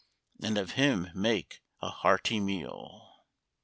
And of him make a hearty meal?"